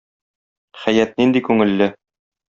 Хәят нинди күңелле!...